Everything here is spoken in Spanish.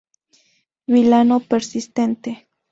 Vilano persistente.